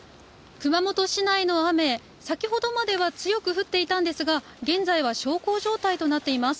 熊本市内の雨、先ほどまでは強く降っていたんですが、現在は小康状態となっています。